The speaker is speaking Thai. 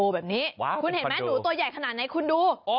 คุณเห็นมั้ยหนูตัวใหญ่ขนาดไหนคุณดู